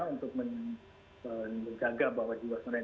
untuk menjaga bahwa jiwas raya